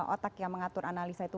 otak yang mengatur analisa itu